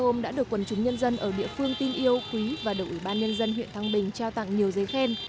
đội xe ôm đã được quần chúng nhân dân ở địa phương tin yêu quý và đội ủy ban nhân dân huyện thăng bình trao tặng nhiều giấy khen